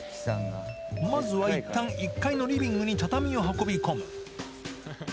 まずはいったん１階のリビングに畳を運び込む。